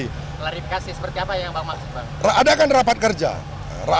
klarifikasi seperti apa yang pak maksud